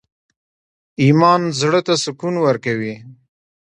ایمان زړه ته سکون ورکوي